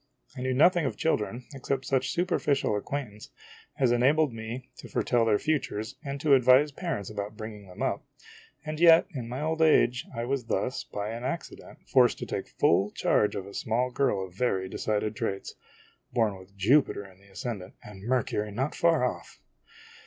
I knew no thing of children, except such superficial acquaintance as enabled me to foretell their futures and to advise parents about bringing them up ; and yet in my old age I was thus, by an accident, forced to take full charge of a small girl of very decided traits born with Jupiter in the ascendant, and Mercury not far off!